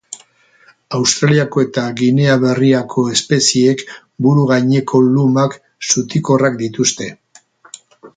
Australiako eta Ginea Berriako espeziek buru gaineko lumak zutikorrak dituzte.